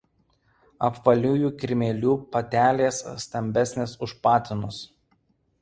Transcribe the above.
Apvaliųjų kirmėlių patelės stambesnės už patinus.